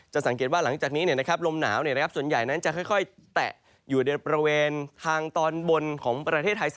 สังเกตว่าหลังจากนี้ลมหนาวส่วนใหญ่นั้นจะค่อยแตะอยู่ในบริเวณทางตอนบนของประเทศไทย